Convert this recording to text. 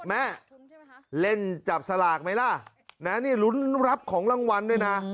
แม่เล่นจับสลากไหมล่ะนะนี่ลุ้นรับของรางวัลด้วยนะ